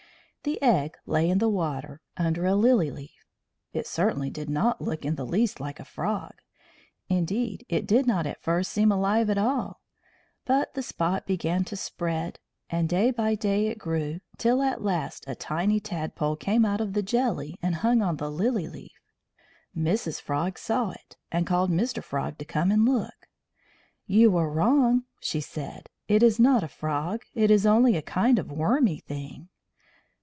The egg lay in the water under a lily leaf. It certainly did not look in the least like a frog; indeed, it did not at first seem alive at all. But the spot began to spread, and day by day it grew till at last a tiny tadpole came out of the jelly and hung on to the lily leaf. Mrs. Frog saw it, and called Mr. Frog to come and look. "You were wrong," she said. "It is not a frog. It is only a kind of wormy thing."